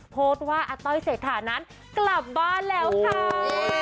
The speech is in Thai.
โพสต์ว่าอาต้อยเศรษฐานั้นกลับบ้านแล้วค่ะ